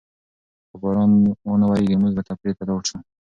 که باران ونه وریږي، موږ به تفریح ته لاړ شو.